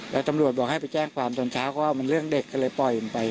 แล้วตำรวจบอกให้ไปแจ้งความตอนเช้าก็ว่ามันเรื่องเด็กก็เลยปล่อยมันไป